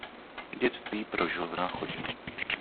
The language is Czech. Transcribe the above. Dětství prožil v Náchodě.